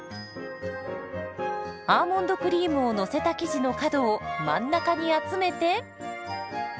アーモンドクリームをのせた生地の角を真ん中に集めて。